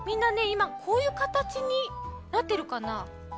いまこういうかたちになってるかな？